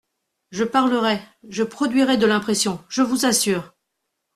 Je parlerai, je produirai de l’impression, je vous assure…